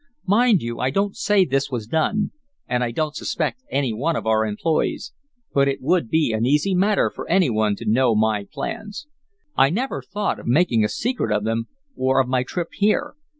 "Mind you, I don't say this was done, and I don't suspect any of our employees, but it would be an easy matter for any one to know my plans. I never thought of making a secret of them, or of my trip here.